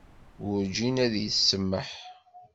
Werǧin ad yi-tsameḥ.